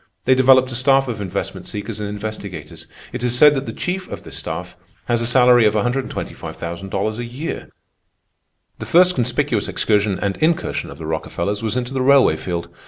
They developed a staff of investment seekers and investigators. It is said that the chief of this staff has a salary of $125,000 a year. "The first conspicuous excursion and incursion of the Rockefellers was into the railway field.